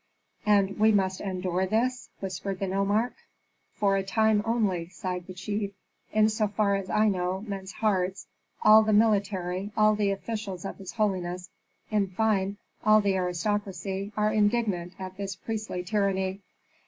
"And we must endure this!" whispered the nomarch. "For a time only," sighed the chief. "In so far as I know men's hearts, all the military, all the officials of his holiness, in fine, all the aristocracy, are indignant at this priestly tyranny.